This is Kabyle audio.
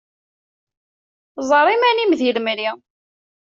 Ẓer iman-im di lemri.